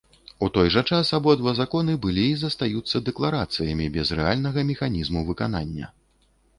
У той жа час абодва законы былі і застаюцца дэкларацыямі без рэальнага механізму выканання.